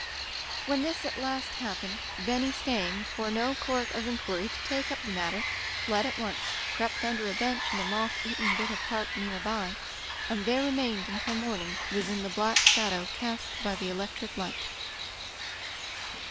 When this at last happened, Benny, stay ing for no court of inquiry to take up the matter, fled at once, crept under a bench in a moth eaten bit of park near by, and there remained until morning, within the black shadow cast by the electric light.